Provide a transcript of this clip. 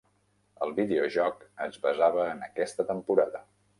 El videojoc es basava en aquesta temporada.